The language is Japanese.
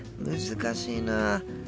難しいな。